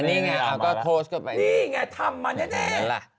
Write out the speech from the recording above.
อันนี้ไงนี่ไงทำมาแน่